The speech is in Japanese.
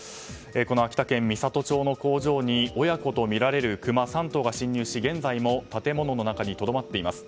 秋田県美郷町の工場に親子とみられるクマ３頭が侵入し現在も建物の中にとどまっています。